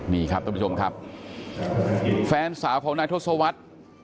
นี่ครับท่านผู้ชมครับแฟนสาวของนายทศวรรษ